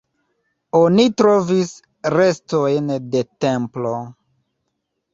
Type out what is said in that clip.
Oni trovis restojn de templo.